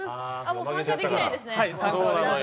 もう参加できないんですね。